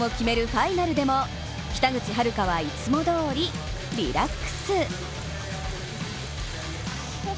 ファイナルでも北口榛花はいつもどおりリラックス。